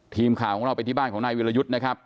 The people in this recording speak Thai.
ทีมข่าวของเราไปที่บ้านของนายวิรยุทธ์นะครับ